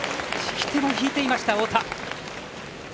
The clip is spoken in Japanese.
引き手は引いていました太田。